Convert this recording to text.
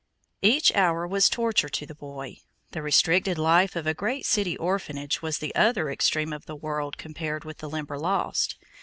Each hour was torture to the boy. The restricted life of a great city orphanage was the other extreme of the world compared with the Limberlost.